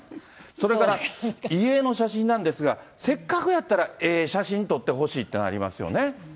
それから遺影の写真なんですが、せっかくやったら、ええ写真撮ってほしいっていうのありますよね。